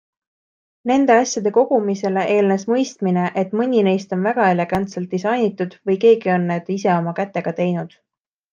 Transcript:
Nende asjade kogumisele eelnes mõistmine, et mõni neist on väga elegantselt disainitud või keegi on need ise oma kätega teinud.